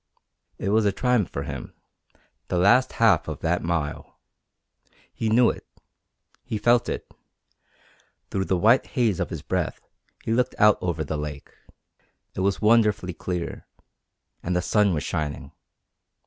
It was a triumph for him the last half of that mile. He knew it. He felt it. Through the white haze of his breath he looked out over the lake. It was wonderfully clear, and the sun was shining.